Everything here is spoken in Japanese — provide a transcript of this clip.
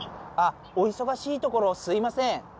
あお忙しいところすいません